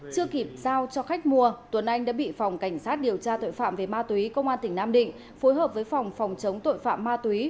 chưa kịp giao cho khách mua tuấn anh đã bị phòng cảnh sát điều tra tội phạm về ma túy công an tỉnh nam định phối hợp với phòng phòng chống tội phạm ma túy